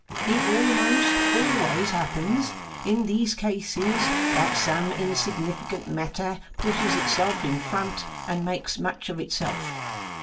It almost always happens, in these cases, that some insignificant matter pushes itself in front and makes much of itself.